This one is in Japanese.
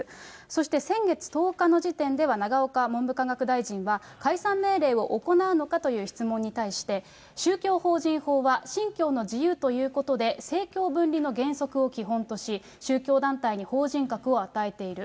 そして先月１０日の時点では、永岡文部科学大臣は、解散命令を行うのかという質問に対して、宗教法人法は信教の自由ということで、政教分離の原則を基本とし、宗教団体に法人格を与えている。